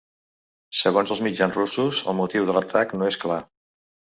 Segons els mitjans russos, el motiu de l’atac no és clar.